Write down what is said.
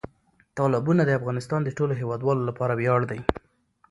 تالابونه د افغانستان د ټولو هیوادوالو لپاره ویاړ دی.